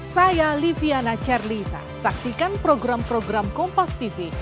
saya liviana charlisa saksikan program program kompas tv